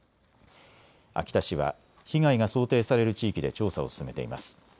秋田市は被害が想定される地域で調査を進めています。